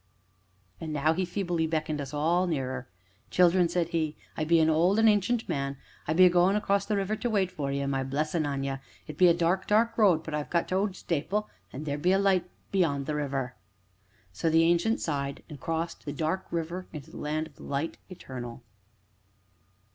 And now he feebly beckoned us all nearer. "Children," said he, "I be a old an' ancient man I be goin' on across the river to wait for you my blessin' on ye. It be a dark, dark road, but I've got t' owd stapil, an' there be a light beyond the river." So, the Ancient sighed, and crossed the dark River into the Land of Light Eternal.